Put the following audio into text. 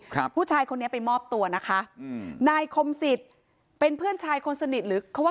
ครับผู้ชายคนนี้ไปมอบตัวนะคะอืมนายคมสิทธิ์เป็นเพื่อนชายคนสนิทหรือเขาว่า